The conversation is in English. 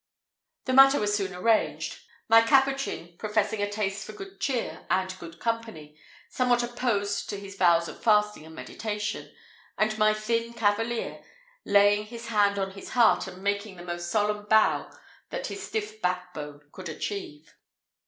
The matter was soon arranged, my Capuchin professing a taste for good cheer and good company, somewhat opposed to his vows of fasting and meditation, and my thin cavalier, laying his hand on his heart, and making the most solemn bow that his stiff back bone could achieve.